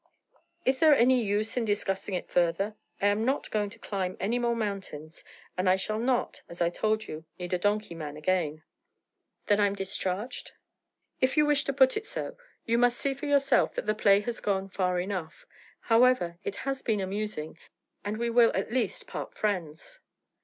'Is there any use in discussing it further? I am not going to climb any more mountains, and I shall not, as I told you, need a donkey man again.' 'Then I'm discharged?' 'If you wish to put it so. You must see for yourself that the play has gone far enough. However, it has been amusing, and we will at least part friends.'